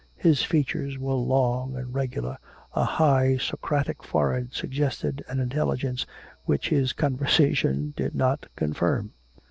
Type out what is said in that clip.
His features were long and regular; a high Socratic forehead suggested an intelligence which his conversation did not confirm.